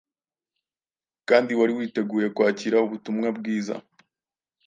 kandi wari witeguye kwakira ubutumwa bwiza.